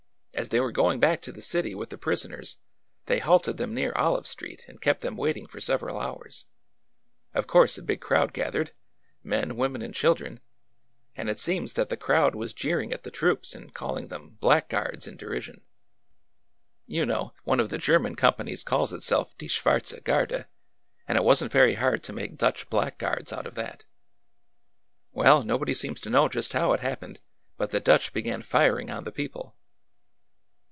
" As they were going back to the city with the prisoners, they halted them near Olive Street and kept them waiting for several hours. Of course a big crowd gathered,— men, women, and children, — and it seems that the crowd was jeering at the troops and calling them ' blackguards ' in derision. You know, one of the German companies calls itself ' die Schwartze Garde,' and it was n't very hard to make ' Dutch blackguards ' out of that. " Well, nobody seems to know just how it happened, but the Dutch began firing on the people."